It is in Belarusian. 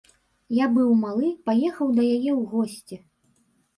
Я быў малы, паехаў да яе ў госці.